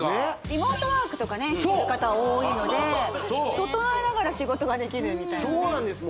リモートワークとかねする方多いので整えながら仕事ができるみたいなそうなんです